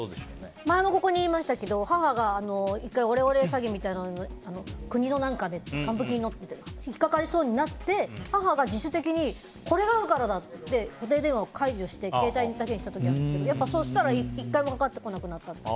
前にここで言いましたけど母がオレオレ詐欺みたいなのに国の還付金のなんかで引っかかりそうになって母が自主的にこれがあるからだって固定電話を解除して携帯だけにした時あるんですけどそうしたら１回もかかってこなくなったって。